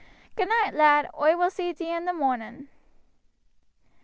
Goodnoight, lad! oi will see thee i' t' morning."